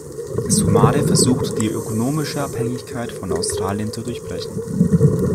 Somare versucht die ökonomische Abhängigkeit von Australien zu durchbrechen.